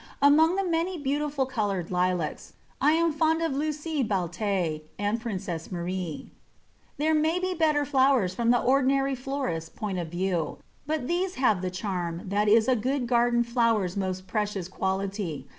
Among the many beautiful coloured Lilacs, I am fond of Lucie Baltet and Princesse Marie. There may be better flowers from the ordinary florist point of view, but these have the charm that is a good garden flower's most precious quality.